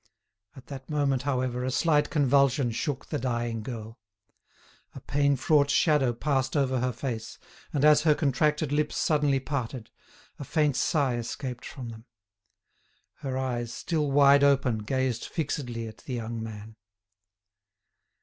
At that moment, however, a slight convulsion shook the dying girl. A pain fraught shadow passed over her face, and as her contracted lips suddenly parted, a faint sigh escaped from them. Her eyes, still wide open, gazed fixedly at the young man.